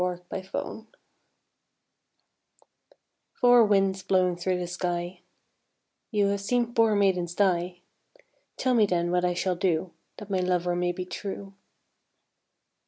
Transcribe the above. Four Winds "Four winds blowing through the sky, You have seen poor maidens die, Tell me then what I shall do That my lover may be true."